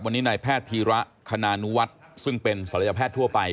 วันนี้นายแพทย์พีระคณานุวัฒน์ซึ่งเป็นศัลยแพทย์ทั่วไป